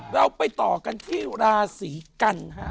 เราไปต่อกันที่ราศีกันฮะ